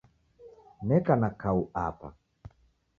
Neka na kau Apa.